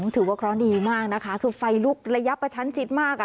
ถือว่าเคราะห์ดีมากนะคะคือไฟลุกระยะประชันชิดมาก